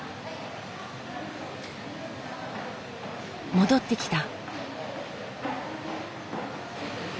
戻ってきた。